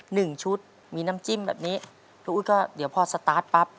หนึ่งชุดมีน้ำจิ้มแบบนี้พี่อุ๊ดก็เดี๋ยวพอสตาร์ทปั๊บ